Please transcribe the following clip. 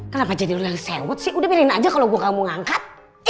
kenapa jadi lu yang sewot sih udah pilihin aja kalo gue gak mau ngangkat